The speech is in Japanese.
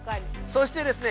そしてですね